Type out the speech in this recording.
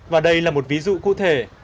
và đây là một ví dụ cụ thể